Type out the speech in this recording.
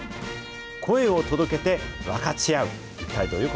声を届けて分かち合う。